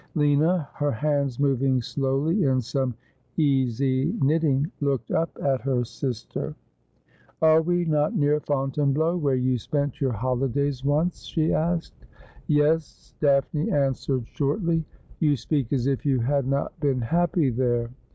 Lina, her hands moving slowly in some easy knitting, looked up at her sister. s 274 Asphodel. ' Are we not near Fontainebleau, where you spent your holidays once ?' she asked. ' Yes,' Daphne answered shortly. ' You speak as if you had not been happy there.'